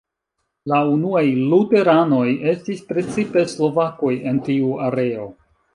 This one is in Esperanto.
La unuaj luteranoj estis precipe slovakoj en tiu areo.